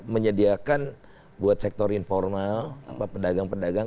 menyediakan buat sektor informal pedagang pedagang